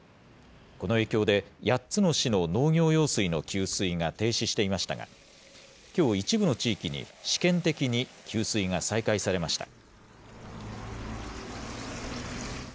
この影響で、８つの市の農業用水の給水が停止していましたが、きょう、一部の地域に試験的に給水が再開されました。